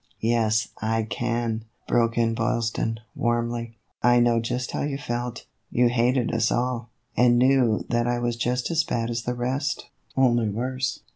"Yes, I can," broke in Boylston, warmly. "I know just how you felt ; you hated us all, and knew that I was just as bad as the rest, only worse."